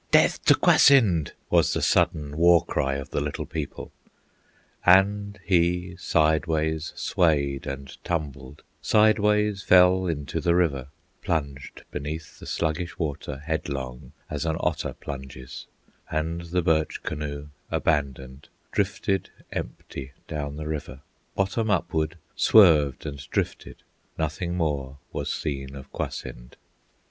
"Death to Kwasind!" was the sudden War cry of the Little People. And he sideways swayed and tumbled, Sideways fell into the river, Plunged beneath the sluggish water Headlong, as an otter plunges; And the birch canoe, abandoned, Drifted empty down the river, Bottom upward swerved and drifted: Nothing more was seen of Kwasind.